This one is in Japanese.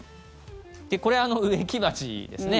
これ、植木鉢ですね。